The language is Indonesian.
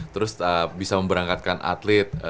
terus bisa memberangkatkan atlet